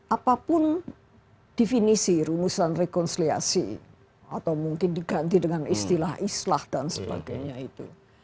apapun definisi rumusan rekonsiliasi atau mungkin diganti dengan istilah islah dan sebagainya itu